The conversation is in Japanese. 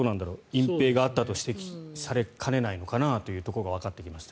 隠ぺいがあったと指摘されかねないのかなというところがわかってきました。